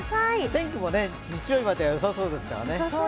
天気も日曜日までよさそうですからね。